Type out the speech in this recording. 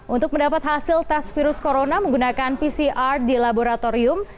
untuk mendapat hasil tes virus corona menggunakan pcr di laboratorium